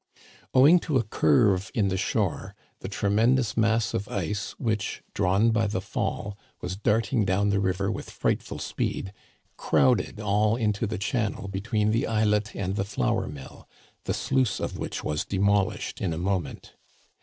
Owing to a curve in the shore, the tremendous mass of ice which, drawn by the fall, was darting down the river with frightful speed, crowded all into the channel between the islet and the flour mill, the sluice of which was demolished in a moment.